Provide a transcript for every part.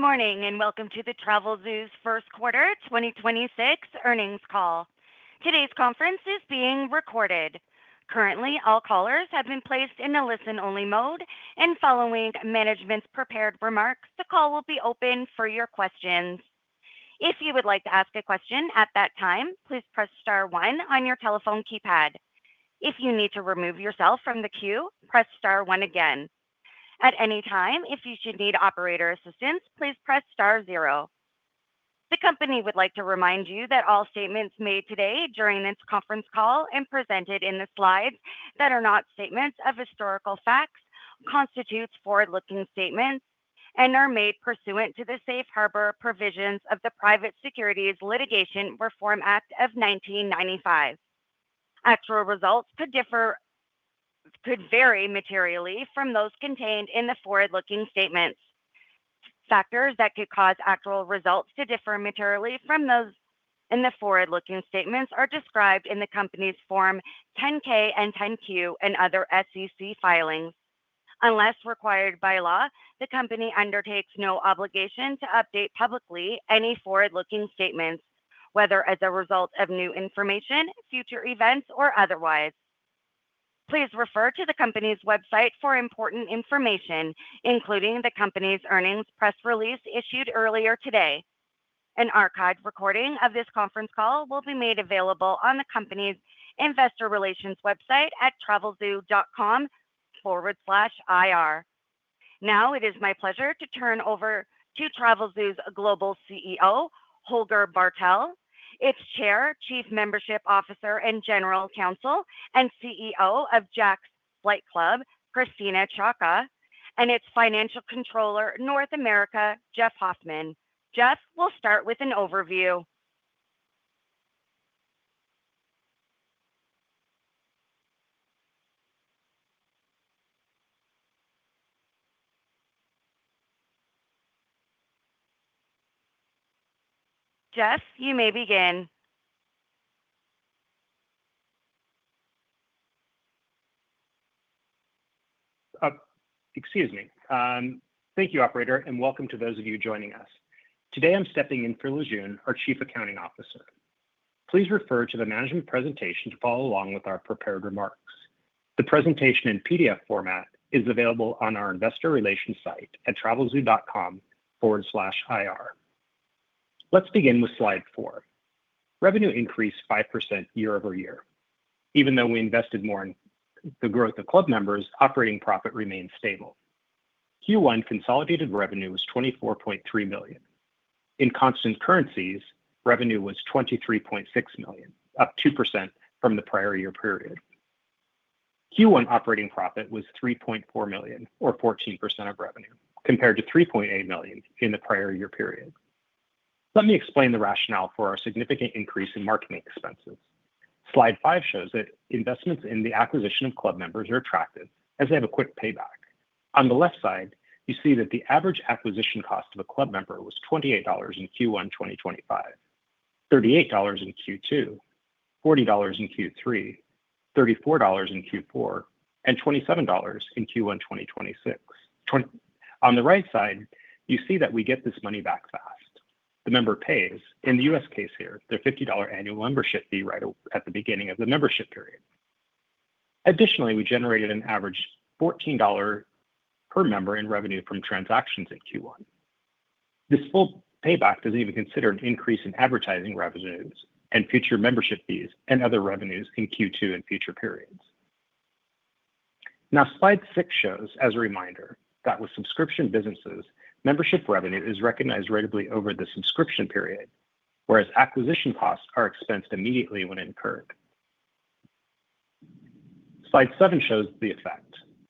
Good morning, and welcome to Travelzoo’s First Quarter 2026 Earnings Call. Today’s conference is being recorded. Currently, all callers have been placed in a listen-only mode, and following management’s prepared remarks, the call will be open for your questions. If you would like to ask a question at that time, please press star one on your telephone keypad. If you need to remove yourself from the queue, press star one again. At any time, if you should need operator assistance, please press star zero. The company would like to remind you that all statements made today during this conference call and presented in the slides that are not statements of historical facts, constitutes forward-looking statements and are made pursuant to the safe harbor provisions of the Private Securities Litigation Reform Act of 1995. Actual results could vary materially from those contained in the forward-looking statements. Factors that could cause actual results to differ materially from those in the forward-looking statements are described in the company's Form 10-K and 10-Q and other SEC filings. Unless required by law, the company undertakes no obligation to update publicly any forward-looking statements, whether as a result of new information, future events, or otherwise. Please refer to the company's website for important information, including the company's earnings press release issued earlier today. An archived recording of this conference call will be made available on the company's investor relations website at travelzoo.com/ir. Now it is my pleasure to turn over to Travelzoo's Global CEO, Holger Bartel, its Chair, Chief Membership Officer, and General Counsel, and CEO of Jack's Flight Club, Christina Ciocca, and its Financial Controller, North America, Jeff Hoffman. Jeff will start with an overview. Jeff, you may begin. Excuse me. Thank you, operator, and welcome to those of you joining us. Today, I'm stepping in for Lijun Qi, our Chief Accounting Officer. Please refer to the management presentation to follow along with our prepared remarks. The presentation in PDF format is available on our investor relations site at travelzoo.com/ir. Let's begin with slide four. Revenue increased 5% year-over-year. Even though we invested more in the growth of club members, operating profit remained stable. Q1 consolidated revenue was $24.3 million. In constant currencies, revenue was $23.6 million, up 2% from the prior year period. Q1 operating profit was $3.4 million or 14% of revenue, compared to $3.8 million in the prior year period. Let me explain the rationale for our significant increase in marketing expenses. Slide five shows that investments in the acquisition of club members are attractive, as they have a quick payback. On the left side, you see that the average acquisition cost of a club member was $28 in Q1 2025, $38 in Q2, $40 in Q3, $34 in Q4, and $27 in Q1 2026. On the right side, you see that we get this money back fast. The member pays, in the U.S. case here, their $50 annual membership fee right at the beginning of the membership period. Additionally, we generated an average $14 per member in revenue from transactions in Q1. This full payback doesn't even consider an increase in advertising revenues and future membership fees and other revenues in Q2 and future periods. Now, slide six shows, as a reminder, that with subscription businesses, membership revenue is recognized ratably over the subscription period, whereas acquisition costs are expensed immediately when incurred. Slide seven shows the effect.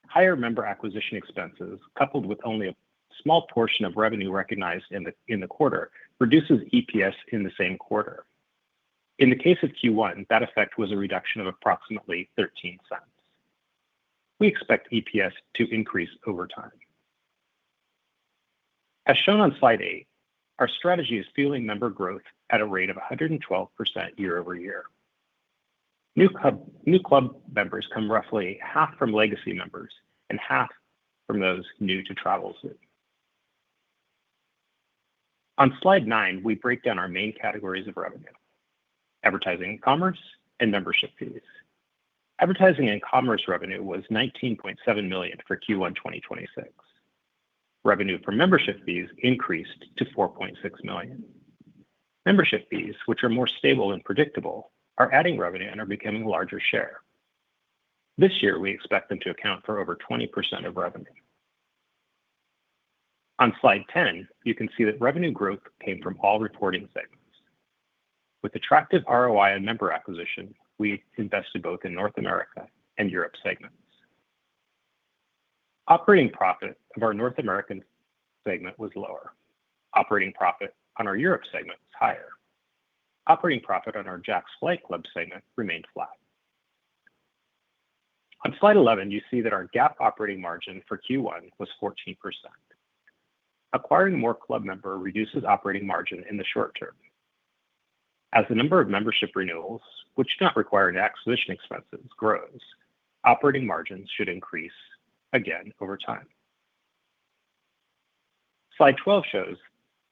Higher member acquisition expenses, coupled with only a small portion of revenue recognized in the quarter, reduces EPS in the same quarter. In the case of Q1, that effect was a reduction of approximately $0.13. We expect EPS to increase over time. As shown on slide eight, our strategy is fueling member growth at a rate of 112% year-over-year. New club members come roughly half from legacy members and half from those new to Travelzoo. On slide nine, we break down our main categories of revenue, Advertising and Commerce, and Membership Fees. Advertising and Commerce revenue was $19.7 million for Q1 2026. Revenue for Membership Fees increased to $4.6 million. Membership fees, which are more stable and predictable, are adding revenue and are becoming a larger share. This year, we expect them to account for over 20% of revenue. On slide 10, you can see that revenue growth came from all reporting segments. With attractive ROI and member acquisition, we invested both in North America and Europe segments. Operating profit of our North American segment was lower. Operating profit on our Europe segment was higher. Operating profit on our Jack's Flight Club segment remained flat. On slide 11, you see that our GAAP operating margin for Q1 was 14%. Acquiring more club members reduces operating margin in the short term. As the number of membership renewals, which do not require acquisition expenses, grows, operating margins should increase again over time. Slide 12 shows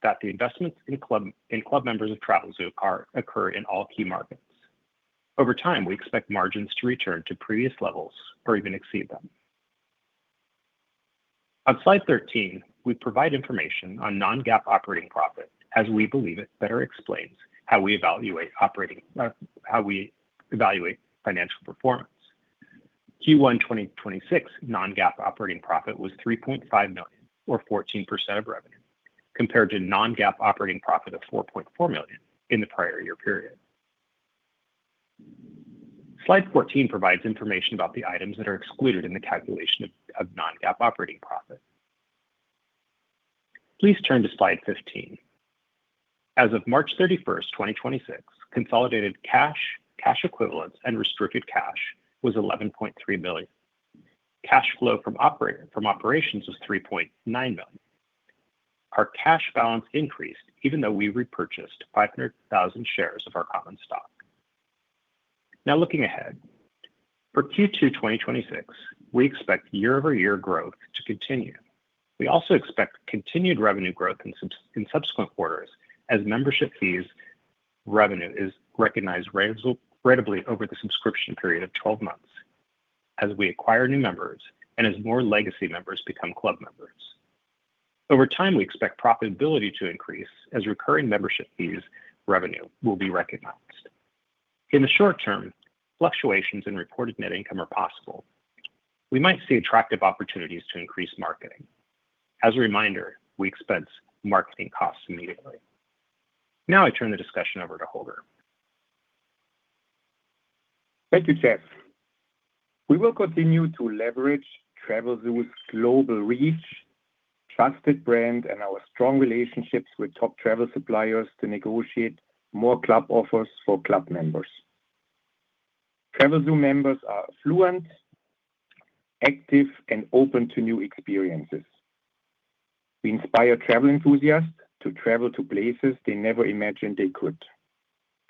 that the investments in club members of Travelzoo occur in all key markets. Over time, we expect margins to return to previous levels or even exceed them. On slide 13, we provide information on non-GAAP operating profit as we believe it better explains how we evaluate financial performance. Q1 2026 non-GAAP operating profit was $3.5 million or 14% of revenue, compared to non-GAAP operating profit of $4.4 million in the prior year period. Slide 14 provides information about the items that are excluded in the calculation of non-GAAP operating profit. Please turn to slide 15. As of March 31st, 2026, consolidated cash equivalents, and restricted cash was $11.3 million. Cash flow from operations was $3.9 million. Our cash balance increased even though we repurchased 500,000 shares of our common stock. Now looking ahead. For Q2 2026, we expect year-over-year growth to continue. We also expect continued revenue growth in subsequent quarters as membership fees revenue is recognized ratably over the subscription period of 12 months, as we acquire new members, and as more legacy members become club members. Over time, we expect profitability to increase as recurring membership fees revenue will be recognized. In the short term, fluctuations in reported net income are possible. We might see attractive opportunities to increase marketing. As a reminder, we expense marketing costs immediately. Now I turn the discussion over to Holger. Thank you, Jeff. We will continue to leverage Travelzoo's global reach, trusted brand, and our strong relationships with top travel suppliers to negotiate more club offers for club members. Travelzoo members are affluent, active, and open to new experiences. We inspire travel enthusiasts to travel to places they never imagined they could.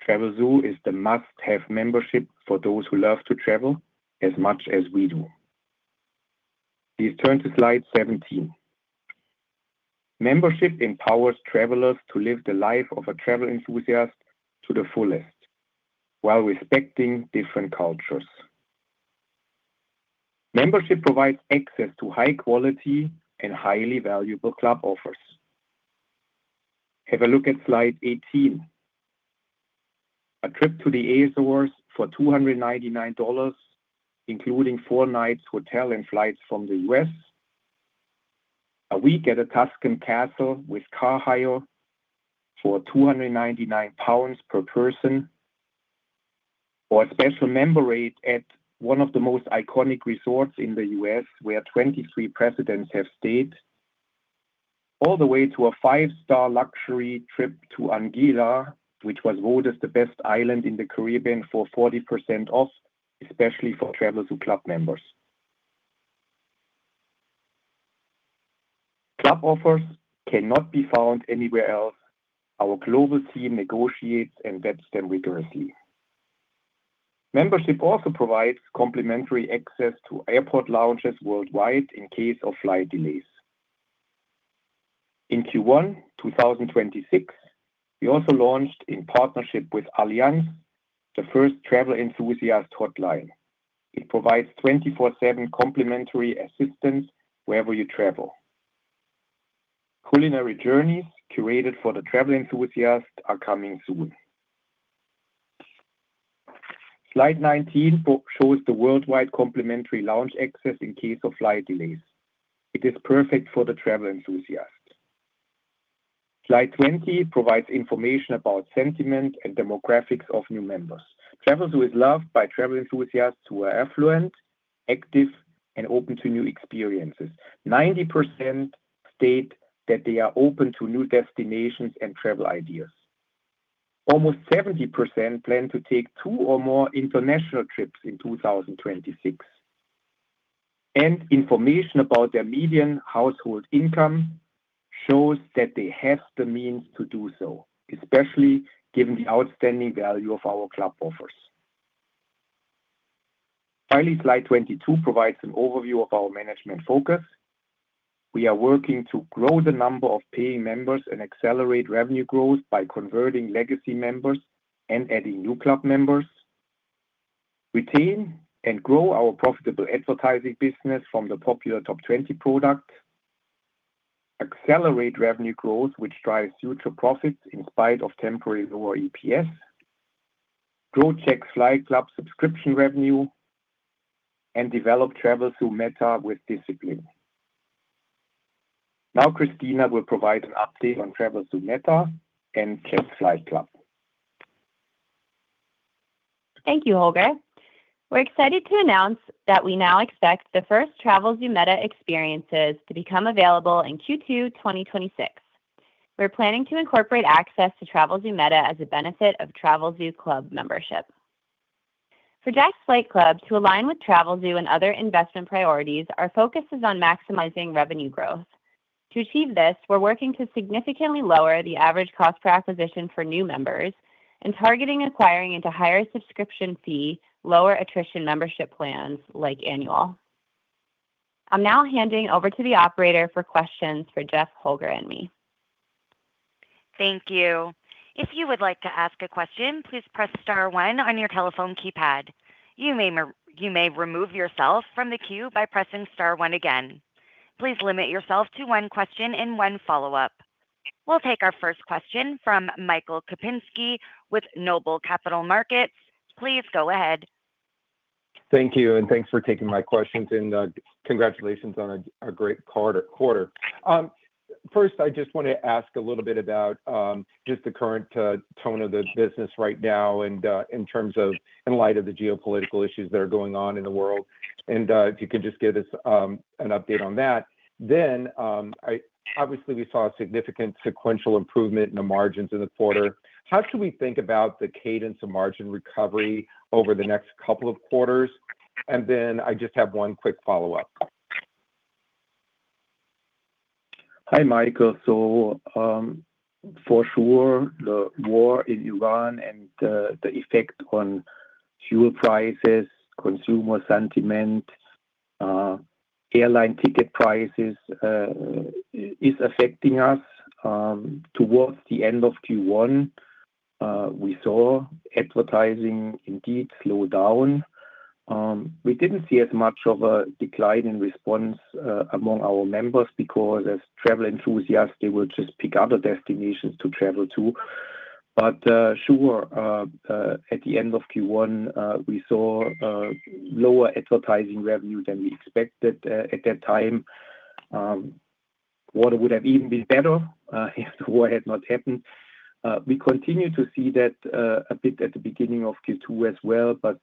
Travelzoo is the must-have membership for those who love to travel as much as we do. Please turn to slide 17. Membership empowers travelers to live the life of a travel enthusiast to the fullest while respecting different cultures. Membership provides access to high quality and highly valuable club offers. Have a look at slide 18. A trip to The Azores for $299, including four nights hotel and flights from the U.S., a week at a Tuscan castle with car hire for 299 pounds per person, or a special member rate at one of the most iconic resorts in the U.S., where 23 presidents have stayed, all the way to a five-star luxury trip to Anguilla, which was voted the best island in the Caribbean for 40% off, especially for Travelzoo Club members. Club offers cannot be found anywhere else. Our global team negotiates and vets them rigorously. Membership also provides complimentary access to airport lounges worldwide in case of flight delays. In Q1 2026, we also launched, in partnership with Allianz, the first travel enthusiast hotline. It provides 24/7 complimentary assistance wherever you travel. Culinary journeys curated for the travel enthusiast are coming soon. Slide 19 shows the worldwide complimentary lounge access in case of flight delays. It is perfect for the travel enthusiast. Slide 20 provides information about sentiment and demographics of new members. Travelzoo is loved by travel enthusiasts who are affluent, active, and open to new experiences. 90% state that they are open to new destinations and travel ideas. Almost 70% plan to take two or more international trips in 2026, and information about their median household income shows that they have the means to do so, especially given the outstanding value of our club offers. Finally, slide 22 provides an overview of our management focus. We are working to grow the number of paying members and accelerate revenue growth by converting legacy members and adding new club members, retain and grow our profitable advertising business from the popular Top 20 product, accelerate revenue growth, which drives future profits in spite of temporary lower EPS, grow Jack's Flight Club subscription revenue, and develop Travelzoo META with discipline. Now Christina will provide an update on Travelzoo META and Jack's Flight Club. Thank you, Holger. We're excited to announce that we now expect the first Travelzoo META experiences to become available in Q2 2026. We're planning to incorporate access to Travelzoo META as a benefit of Travelzoo Club membership. For Jack's Flight Club, to align with Travelzoo and other investment priorities, our focus is on maximizing revenue growth. To achieve this, we're working to significantly lower the average cost per acquisition for new members and targeting acquiring into higher subscription fee, lower attrition membership plans like annual. I'm now handing over to the operator for questions for Jeff, Holger, and me. Thank you. If you would like to ask a question, please press star one on your telephone keypad. You may remove yourself from the queue by pressing star one again. Please limit yourself to one question and one follow-up. We'll take our first question from Michael Kupinski with Noble Capital Markets. Please go ahead. Thank you, and thanks for taking my questions, and congratulations on a great quarter. First, I just want to ask a little bit about just the current tone of the business right now, and in terms of in light of the geopolitical issues that are going on in the world, and if you could just give us an update on that. Obviously we saw a significant sequential improvement in the margins in the quarter. How should we think about the cadence of margin recovery over the next couple of quarters? I just have one quick follow-up. Hi, Michael. For sure, the war in Ukraine and the effect on fuel prices, consumer sentiment, airline ticket prices is affecting us. Towards the end of Q1, we saw advertising indeed slow down. We didn't see as much of a decline in response among our members because as travel enthusiasts, they will just pick other destinations to travel to. Sure, at the end of Q1, we saw lower advertising revenue than we expected at that time. What would have even been better if the war had not happened. We continue to see that a bit at the beginning of Q2 as well, but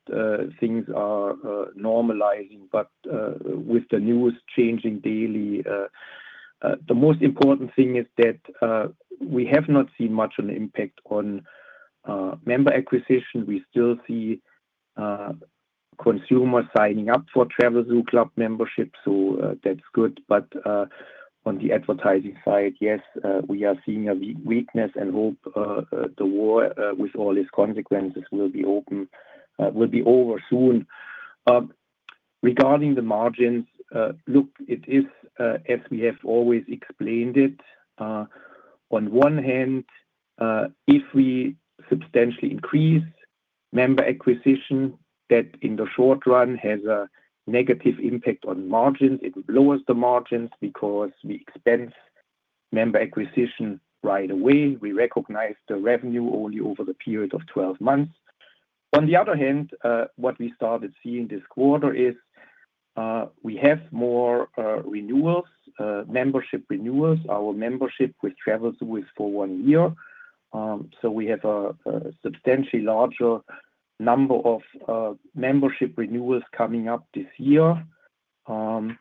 things are normalizing. With the news changing daily, the most important thing is that we have not seen much of an impact on member acquisition. We still see consumers signing up for Travelzoo Club membership, so that's good. On the advertising side, yes, we are seeing a weakness and hope the war with all its consequences will be over soon. Regarding the margins, look, it is as we have always explained it. On one hand, if we substantially increase member acquisition, that in the short run has a negative impact on margins. It lowers the margins because we expense member acquisition right away. We recognize the revenue only over the period of 12 months. On the other hand, what we started seeing this quarter is we have more membership renewals. Our membership with Travelzoo is for one year. So we have a substantially larger number of membership renewals coming up this year. And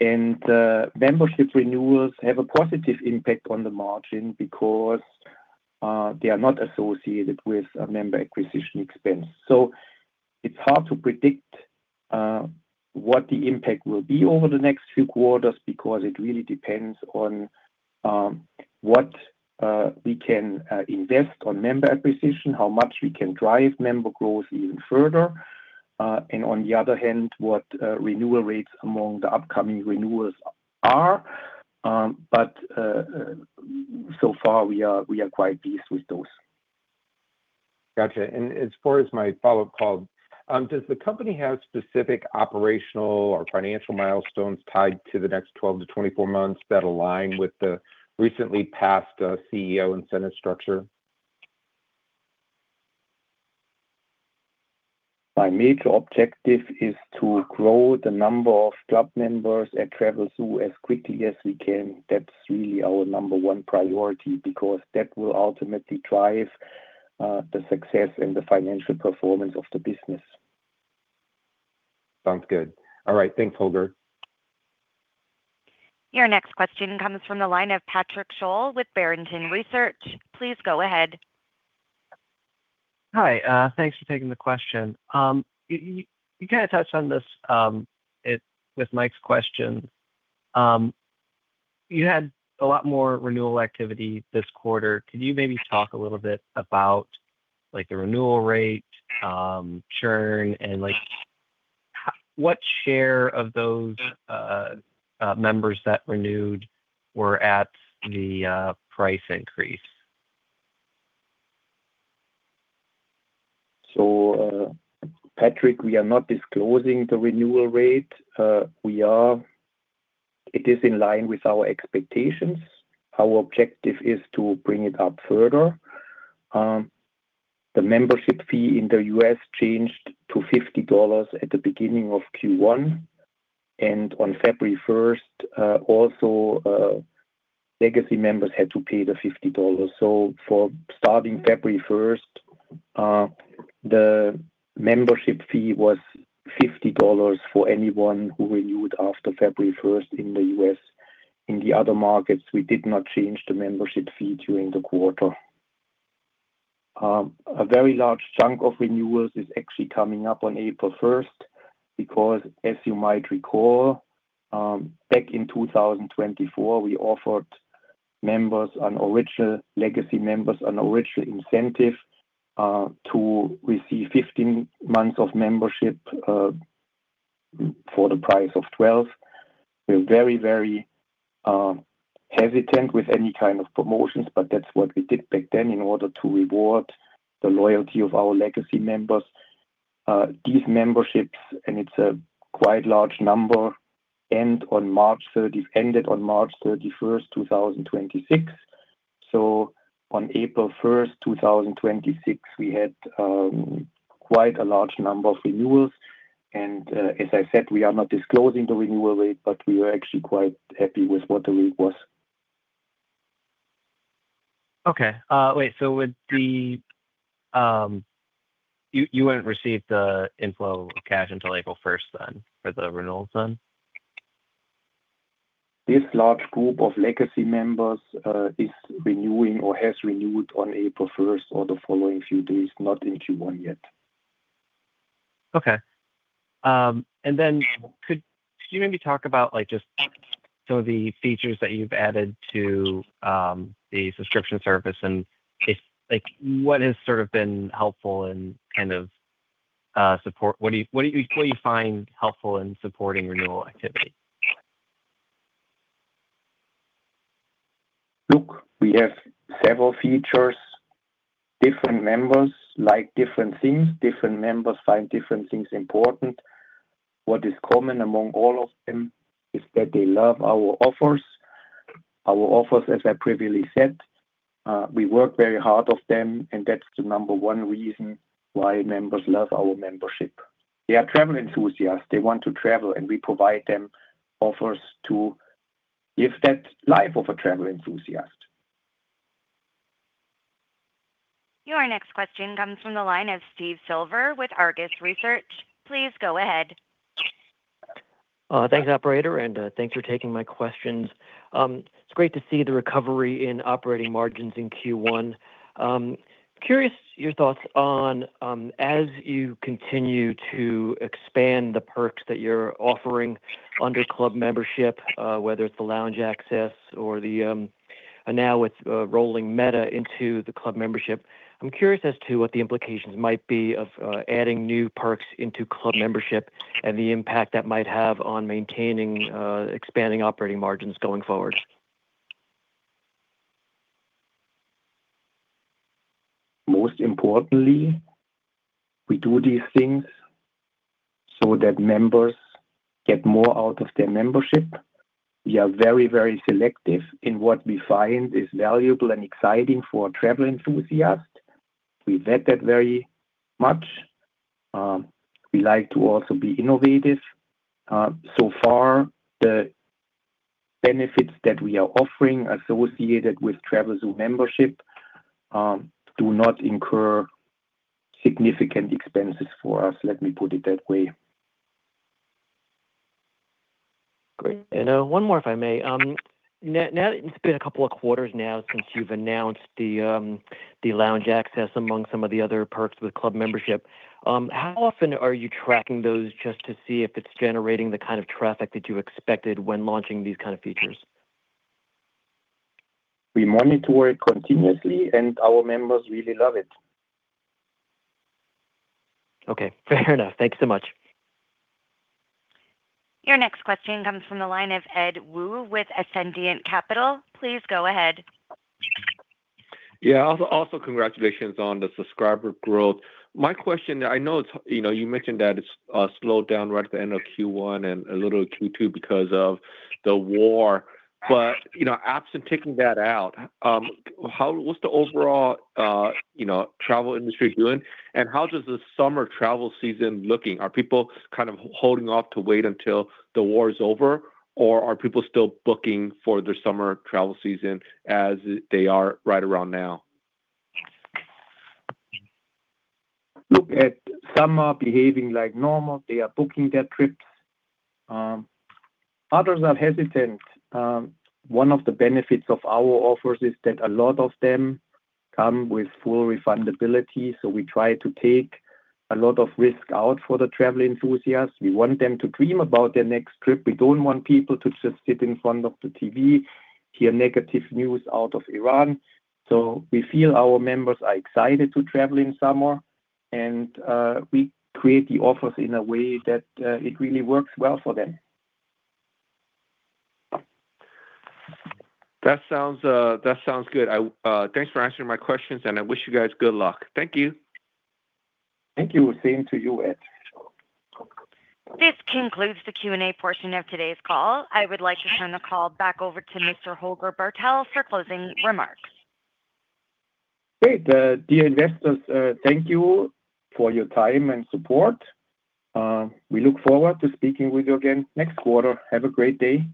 membership renewals have a positive impact on the margin because they are not associated with a member acquisition expense. It's hard to predict what the impact will be over the next few quarters because it really depends on what we can invest on member acquisition, how much we can drive member growth even further, and on the other hand, what renewal rates among the upcoming renewals are. So far we are quite pleased with those. Got you. As far as my follow-up call, does the company have specific operational or financial milestones tied to the next 12-24 months that align with the recently passed CEO incentive structure? My major objective is to grow the number of club members at Travelzoo as quickly as we can. That's really our number one priority because that will ultimately drive the success and the financial performance of the business. Sounds good. All right. Thanks, Holger. Your next question comes from the line of Patrick Sholl with Barrington Research. Please go ahead. Hi. Thanks for taking the question. You kind of touched on this with Mike's question. You had a lot more renewal activity this quarter. Could you maybe talk a little bit about the renewal rate churn, and what share of those members that renewed were at the price increase? Patrick, we are not disclosing the renewal rate. It is in line with our expectations. Our objective is to bring it up further. The membership fee in the U.S. changed to $50 at the beginning of Q1, and on February 1st, also legacy members had to pay the $50. For starting February 1st, the membership fee was $50 for anyone who renewed after February 1st in the U.S. In the other markets, we did not change the membership fee during the quarter. A very large chunk of renewals is actually coming up on April 1st, because as you might recall, back in 2024, we offered original legacy members an original incentive, to receive 15 months of membership for the price of 12. We are very hesitant with any kind of promotions, but that's what we did back then in order to reward the loyalty of our legacy members. These memberships, and it's a quite large number, ended on March 31st, 2026. On April 1st, 2026, we had quite a large number of renewals. As I said, we are not disclosing the renewal rate, but we are actually quite happy with what the rate was. Okay. Wait, you wouldn't receive the inflow of cash until April 1st then for the renewals? This large group of legacy members is renewing or has renewed on April 1st or the following few days, not in Q1 yet. Okay. Could you maybe talk about just some of the features that you've added to the subscription service, and what has sort of been helpful and what do you find helpful in supporting renewal activity? Look, we have several features. Different members like different things. Different members find different things important. What is common among all of them is that they love our offers. Our offers, as I previously said, we work very hard on them, and that's the number one reason why members love our membership. They are travel enthusiasts. They want to travel, and we provide them offers to give that life of a travel enthusiast. Your next question comes from the line of Steve Silver with Argus Research. Please go ahead. Thanks, operator, and thanks for taking my questions. It's great to see the recovery in operating margins in Q1. I'm curious about your thoughts on, as you continue to expand the perks that you're offering under club membership, whether it's the lounge access or now with rolling META into the club membership. I'm curious as to what the implications might be of adding new perks into club membership and the impact that might have on maintaining, expanding operating margins going forward. Most importantly, we do these things so that members get more out of their membership. We are very selective in what we find is valuable and exciting for travel enthusiasts. We vet that very much. We like to also be innovative. So far, the benefits that we are offering associated with Travelzoo membership do not incur significant expenses for us. Let me put it that way. Great. One more, if I may. Now that it's been a couple of quarters now since you've announced the lounge access among some of the other perks with club membership, how often are you tracking those just to see if it's generating the kind of traffic that you expected when launching these kind of features? We monitor it continuously, and our members really love it. Okay. Fair enough. Thank you so much. Your next question comes from the line of Ed Woo with Ascendiant Capital. Please go ahead. Yeah. Also, congratulations on the subscriber growth. My question, I know you mentioned that it's slowed down right at the end of Q1 and a little Q2 because of the war. Absent taking that out, what's the overall travel industry doing, and how does the summer travel season looking? Are people kind of holding off to wait until the war's over, or are people still booking for their summer travel season as they are right around now? Look, Ed, some are behaving like normal. They are booking their trips. Others are hesitant. One of the benefits of our offers is that a lot of them come with full refundability, so we try to take a lot of risk out for the travel enthusiasts. We want them to dream about their next trip. We don't want people to just sit in front of the TV, hear negative news out of Iran. We feel our members are excited to travel in summer, and we create the offers in a way that it really works well for them. That sounds good. Thanks for answering my questions, and I wish you guys good luck. Thank you. Thank you. Same to you, Ed. This concludes the Q&A portion of today's call. I would like to turn the call back over to Mr. Holger Bartel for closing remarks. Great. Dear investors, thank you for your time and support. We look forward to speaking with you again next quarter. Have a great day.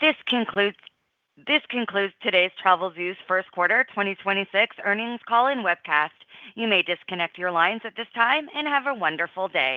This concludes today's Travelzoo's First Quarter 2026 Earnings Call and Webcast. You may disconnect your lines at this time, and have a wonderful day.